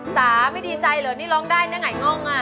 สาผิดีใจหรือนี่ร้องได้ไง